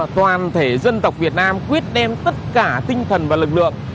toàn thể dân tộc việt nam quyết đem tất cả tinh thần và lực lượng